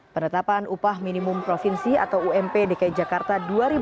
penetapan upah minimum provinsi atau ump dki jakarta dua ribu dua puluh